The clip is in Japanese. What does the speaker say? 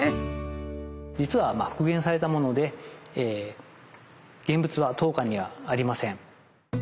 実は復元されたもので現物は当館にはありません。